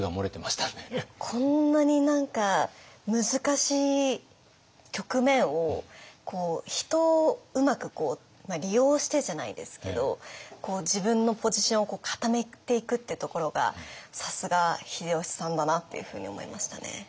こんなに何か難しい局面を人をうまく利用してじゃないですけど自分のポジションを固めていくってところがさすが秀吉さんだなっていうふうに思いましたね。